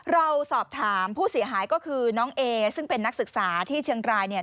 เราสอบถามผู้เสียหายก็คือน้องเอซึ่งเป็นนักศึกษาที่เชียงรายเนี่ย